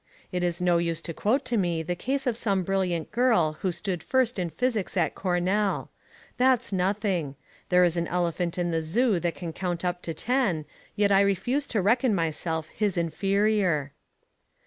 It is no use to quote to me the case of some brilliant girl who stood first in physics at Cornell. That's nothing. There is an elephant in the zoo that can count up to ten, yet I refuse to reckon myself his inferior.